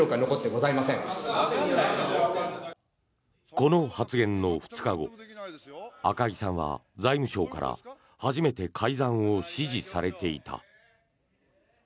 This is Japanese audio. この発言の２日後赤木さんは財務省から初めて改ざんを指示されていた。